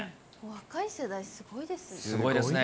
若い世代すごいですね。